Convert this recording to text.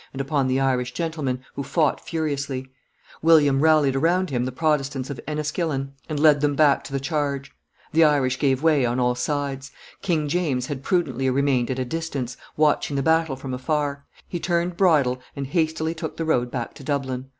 and upon the Irish gentlemen, who fought furiously; William rallied around him the Protestants of Enniskillen, and led them back to the charge; the Irish gave way on all sides; King James had prudently remained at a distance, watching the battle from afar; he turned bridle, and hastily took the road back to Dublin.